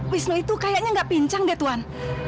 wisnu itu kayaknya gak pincang deh tuan